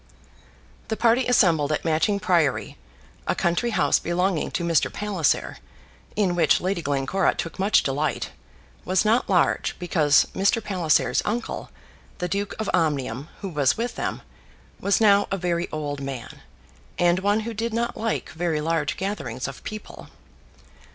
The party assembled at Matching Priory, a country house belonging to Mr. Palliser, in which Lady Glencora took much delight, was not large, because Mr. Palliser's uncle, the Duke of Omnium, who was with them, was now a very old man, and one who did not like very large gatherings of people.